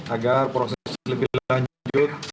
agar proses lebih lanjut